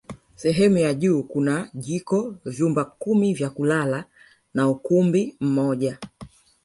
Sehemu ya juu kuna jiko vyumba kumi vya kulala na ukumbi mmoja